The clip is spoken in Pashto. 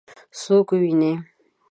څوک وویني؟